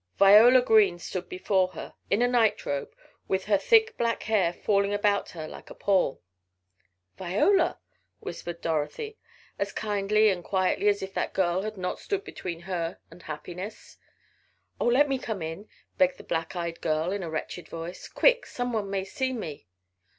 Viola Green stood before her in a nightrobe, with her thick black hair falling about her like a pall. "Viola!" whispered Dorothy, as kindly and quietly as if that girl had not stood between her and happiness. "Oh, let me come in," begged the black eyed girl in a wretched voice. "Quick! Some one may see me!"